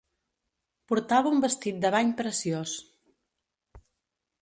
Portava un vestit de bany preciós.